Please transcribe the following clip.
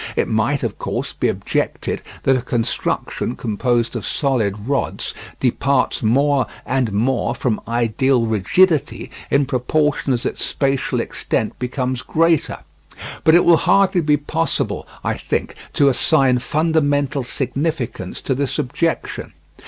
It might, of course, be objected that a construction composed of solid rods departs more and more from ideal rigidity in proportion as its spatial extent becomes greater. But it will hardly be possible, I think, to assign fundamental significance to this objection.